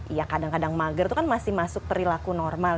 iya kadang kadang mager itu kan masih masuk perilaku normal